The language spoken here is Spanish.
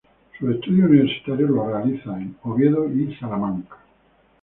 Sus estudios universitarios los realizó en Oviedo y Salamanca.